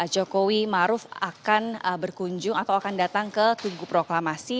jokowi maruf akan berkunjung atau akan datang ke tugu proklamasi